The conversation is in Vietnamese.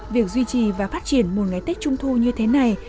việc duy trì và phát triển một ngày tết trung thu như thế này